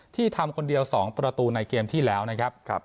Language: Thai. ทำคนเดียว๒ประตูในเกมที่แล้วนะครับ